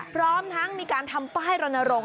พร้อมทั้งมีการทำป้ายรณรงค